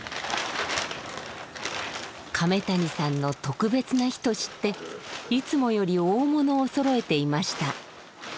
亀谷さんの特別な日と知っていつもより大物をそろえていました。